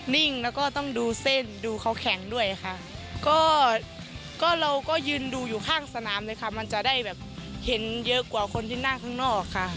นิ่งแล้วก็ต้องดูเส้นดูเขาแข็งด้วยค่ะก็ก็เราก็ยืนดูอยู่ข้างสนามเลยค่ะมันจะได้แบบเห็นเยอะกว่าคนที่นั่งข้างนอกค่ะ